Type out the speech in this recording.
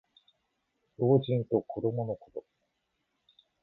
老人と子どものこと。